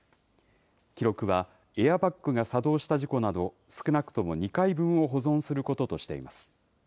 記録は、エアバッグが作動した事故など、少なくとも２回分を保存することとしています。